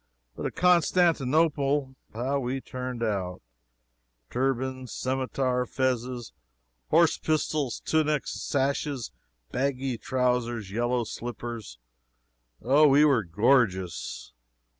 But at Constantinople, how we turned out! Turbans, scimetars, fezzes, horse pistols, tunics, sashes, baggy trowsers, yellow slippers Oh, we were gorgeous!